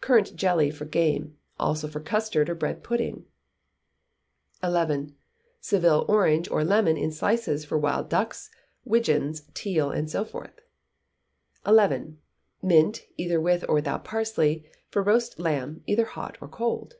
Currant jelly for game, also for custard or bread pudding. xi. Seville orange or lemon in slices for wild ducks, widgeons, teal, and so forth. xii. Mint, either with or without parsley, for roast lamb, either hot or cold.